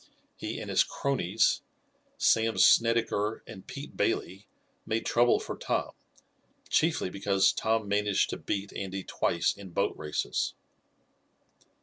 He and his cronies, Sam Snedecker and Pete Bailey, made trouble for Tom, chiefly because Tom managed to beat Andy twice in boat races.